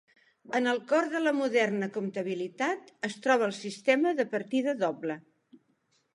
En el cor de la moderna comptabilitat es troba el sistema de partida doble.